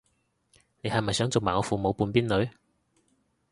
你係咪想做埋我父母半邊女